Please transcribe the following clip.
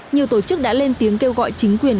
nhiều tổ chức đã lên tiếng kêu gọi chính quyền